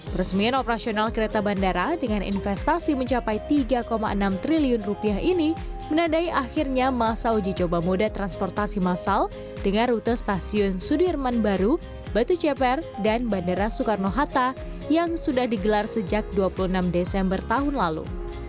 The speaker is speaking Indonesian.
peresmian operasional kereta bandara dengan investasi mencapai rp tiga enam triliun ini menandai akhirnya masa uji coba moda transportasi masal dengan rute stasiun sudirman baru batu ceper dan bandara soekarno hatta yang sudah digelar sejak dua puluh enam desember tahun lalu